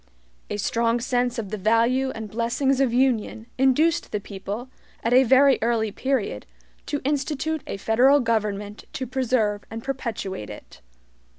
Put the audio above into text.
A strong sense of the value and blessings of union induced the people, at a very early period, to institute a federal government to preserve and perpetuate it.